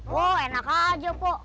wah enak aja pak